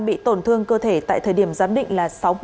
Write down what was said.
điểm giám định là sáu mươi năm